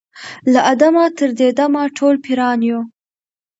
له آدمه تر دې دمه ټول پیران یو